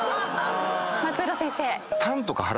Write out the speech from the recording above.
松浦先生。